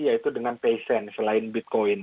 yaitu dengan passion selain bitcoin